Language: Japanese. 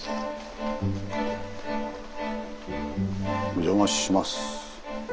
お邪魔します。